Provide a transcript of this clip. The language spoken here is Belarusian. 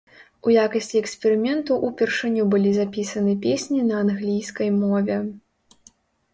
У якасці эксперыменту ўпершыню былі запісаны песні на англійскай мове.